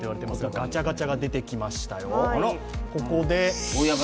ガチャガチャが出てきましたよ。